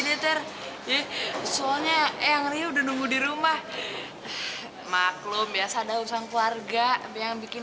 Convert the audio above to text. militer soalnya yang riuh udah nunggu di rumah maklum biasa ada urusan keluarga yang bikin